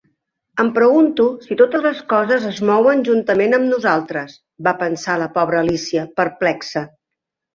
"Em pregunto si totes les coses es mouen juntament amb nosaltres?", va pensar la pobra Alícia, perplexa.